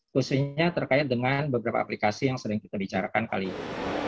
khususnya terkait dengan beberapa aplikasi yang sering kita bicarakan kali ini